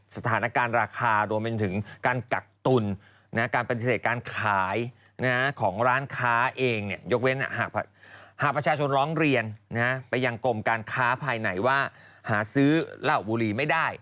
สถานการณ์ราคารวมเป็นถึงการกักตุลการปฏิเสธการขายของร้านค้าเองยกเว้นหากประชาชนร้องเรียนไปยังกรมการค้าภายในว่าหาซื้อเหล้าบุรีไม่ได้